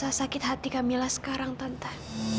kamu ingin untuk because extentional